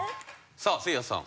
さあせいやさん。